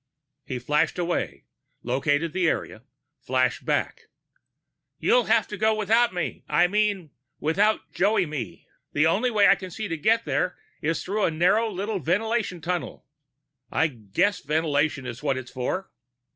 He flashed away, located the area, flashed back. "You'll have to go without me I mean without Joey me. The only way I see to get there is through a narrow little ventilation tunnel I guess ventilation is what it was for."